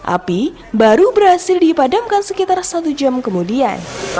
api baru berhasil dipadamkan sekitar satu jam kemudian